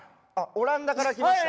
オランダから来ました。